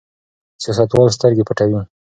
سیاستوال سترګې پټوي.